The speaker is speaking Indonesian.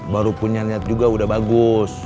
baru punya niat juga udah bagus